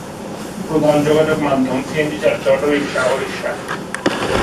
প্রধান যোগাযোগ মাধ্যম সিএনজি চালিত অটোরিক্সা ও রিক্সা।